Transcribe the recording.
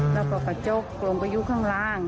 แล้วก็ประจกลงประยุข้างล่าง